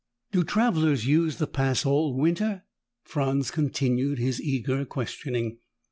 "Do travelers use the Pass all winter?" Franz continued his eager questioning.